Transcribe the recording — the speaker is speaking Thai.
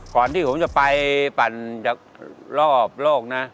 ก่อนที่ผมจะไปปั่นจากรอบโลกนะ